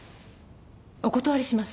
お断りします。